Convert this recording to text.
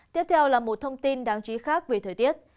tiếp theo là một thông tin đáng chí khác về thời tiết